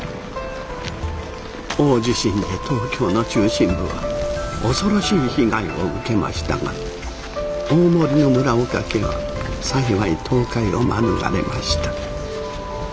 大地震で東京の中心部は恐ろしい被害を受けましたが大森の村岡家は幸い倒壊を免れました。